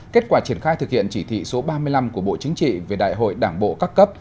kết quả triển khai thực hiện chỉ thị số ba mươi năm của bộ chính trị về đại hội đảng bộ các cấp